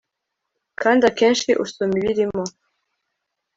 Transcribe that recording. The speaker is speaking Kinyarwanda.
Kandi akenshi usoma ibirimo